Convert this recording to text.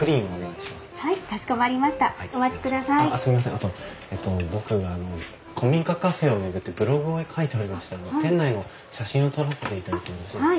あと僕あの古民家カフェを巡ってブログを書いておりまして店内の写真を撮らせていただいてもよろしいですか？